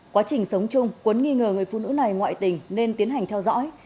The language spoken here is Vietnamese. quá trình sống chung quấn nghi ngờ người phụ nữ này ngoại tình nên tiến hành theo dõi